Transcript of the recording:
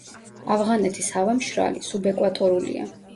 ავღანეთის ჰავა მშრალი, სუბეკვატორულია.